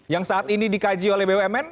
yang saat ini dikaji oleh bumn